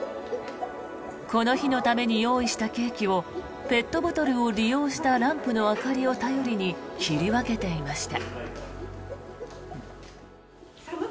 この日のために用意したケーキをペットボトルを利用したランプの明かりを頼りに切り分けていました。